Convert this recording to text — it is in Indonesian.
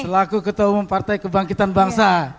selaku ketua umum partai kebangkitan bangsa